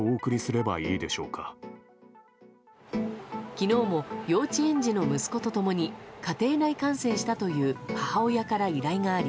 昨日も、幼稚園児の息子と共に家庭内感染したという母親から依頼があり。